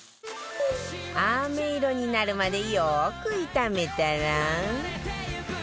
飴色になるまでよく炒めたら